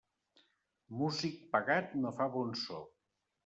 Músic pagat no fa bon so.